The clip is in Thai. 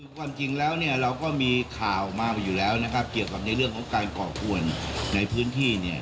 ความจริงแล้วเราก็มีข่าวมากอยู่แล้วเกี่ยวกับในเรื่องของการก่อกวนในพื้นที่